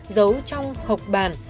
giấu trong hộp bàn